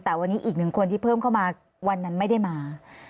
แต่วันนี้อีกหนึ่งคนที่เพิ่มเข้ามาวันนั้นไม่ได้มา